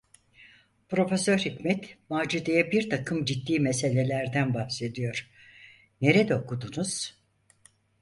Profesör Hikmet, Macide’ye birtakım ciddi meselelerden bahsediyor: "Nerede okudunuz?"